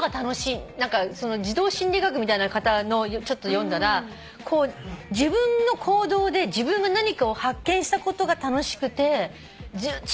児童心理学みたいな方のちょっと読んだら自分の行動で自分が何かを発見したことが楽しくて集中しちゃうんだって。